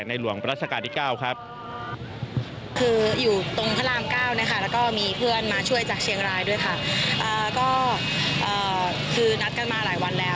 ก็นัดกันมาหลายวันแล้ว